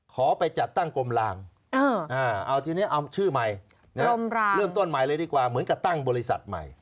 ขอไปจัดตั้งกลมลางเอาทีนี้เอาชื่อใหม่เริ่มต้นใหม่เลยดีกว่าเหมือนกับตั้งบริษัทใหม่